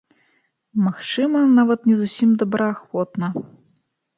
Магчыма, нават не зусім добраахвотна.